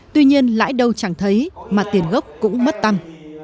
tuy nhiên lãi đâu chẳng thấy mà tiền gốc cũng mất tâm